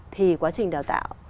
thì quá trình đào tạo